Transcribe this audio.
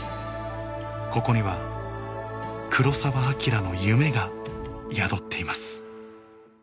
ここには黒澤明の夢が宿っています